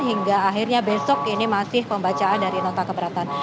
hingga akhirnya besok ini masih pembacaan dari nota keberatan